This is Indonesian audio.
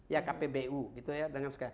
ya kpbu gitu ya